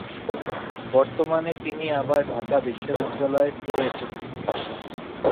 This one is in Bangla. বর্তমানে তিনি আবার ঢাকা বিশ্ববিদ্যালয়ে ফিরে এসেছেন।